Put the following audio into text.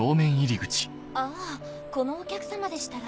あぁこのお客様でしたら。